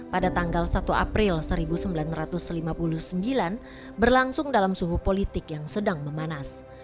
pada tanggal satu april seribu sembilan ratus lima puluh sembilan berlangsung dalam suhu politik yang sedang memanas